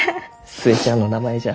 寿恵ちゃんの名前じゃ。